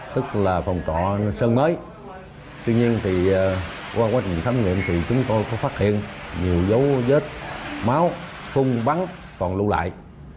đây là phòng trọ sân mới tuy nhiên thì qua quá trình thám nghiệm thì chúng tôi có phát hiện nhiều dấu vết máu không bắn còn lưu lại